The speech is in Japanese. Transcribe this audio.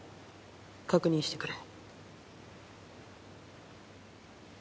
確認してくれ。